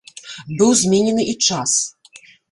Быў зменены і час.